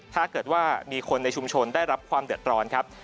ถ้าเกิดว่ามีคนในชุมชนได้รับความเดือดร้อนครับ